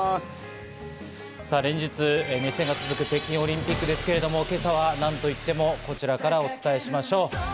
連日、熱戦が続く北京オリンピックですけれども、今朝はなんと言っても、こちらからお伝えしましょう。